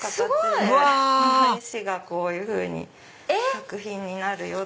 この石がこういうふうに作品になるよ！